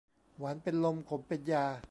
หวานเป็นลม ขมเป็นยา